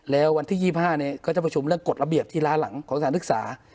แล้ววันที่๒๕เขาจะประชุมเรื่องกฎระเบียบที่ล้าหลังของสถานศึกษา